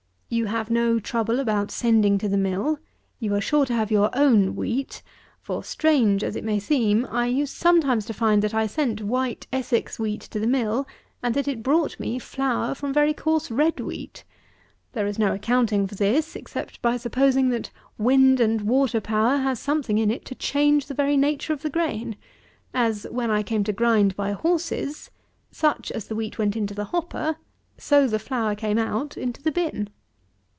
You have no trouble about sending to the mill; you are sure to have your own wheat; for strange as it may seem, I used sometimes to find that I sent white Essex wheat to the mill, and that it brought me flour from very coarse red wheat. There is no accounting for this, except by supposing that wind and water power has something in it to change the very nature of the grain; as, when I came to grind by horses, such as the wheat went into the hopper, so the flour came out into the bin.